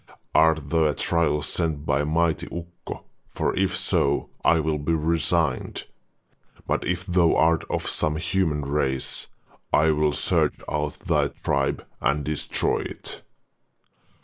Art thou a trial sent by mighty Ukko, for if so I will be resigned, but if thou art of some human race, I will search out thy tribe and destroy it.